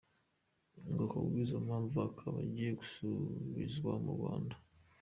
Ngo ku bw’izo mpamvu akaba agiye gusubizwa mu Rwanda.